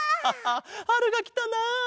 はるがきたな。